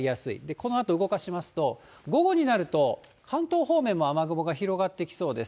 このあと動かしますと、午後になると関東方面も雨雲が広がってきそうです。